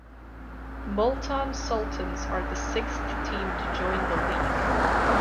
Multan Sultans are the sixth team to join the league.